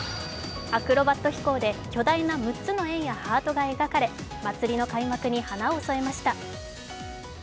アクロバット飛行で巨大な６つの円やハートが描かれ、祭りの開幕に華を添えました。